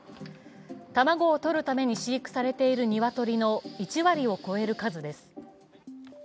卵をとるために飼育されている鶏の１割を超える数です。